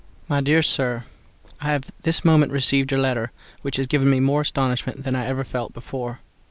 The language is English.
My dear Sir,—I have this moment received your letter, which has given me more astonishment than I ever felt before.